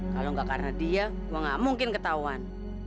kalau gak karena dia gue gak mungkin ketahuan